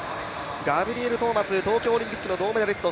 ガブリエル・トーマス東京オリンピックの銅メダリスト。